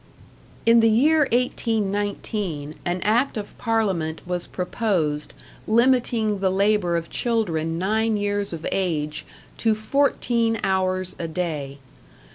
In the year 1819 an act of Parliament was proposed limiting the labor of children nine years of age to fourteen hours a day.